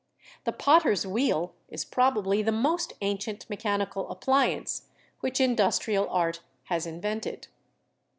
The potter's wheel is probably the most ancient mechanical appliance which industrial art has invented.